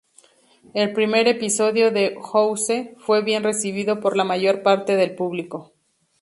El primer episodio de "House" fue bien recibido por la mayor parte del público.